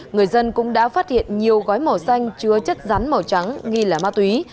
người dân cũng đã phát hiện nhiều gói màu xanh chứa chất rắn màu trắng nghi là ma túy